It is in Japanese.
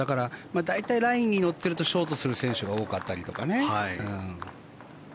大体、ラインに乗っているとショートする選手が多かったりとかね。